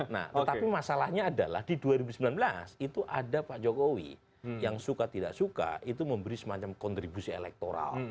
nah tetapi masalahnya adalah di dua ribu sembilan belas itu ada pak jokowi yang suka tidak suka itu memberi semacam kontribusi elektoral